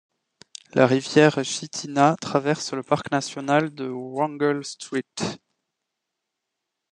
La rivière Chitina traverse le Parc national de Wrangell-St.